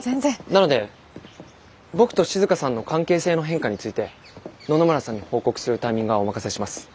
なので僕と静さんの関係性の変化について野々村さんに報告するタイミングはお任せします。